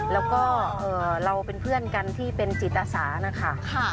แล้วก็เราเป็นเพื่อนกันที่เป็นจิตอาสานะคะ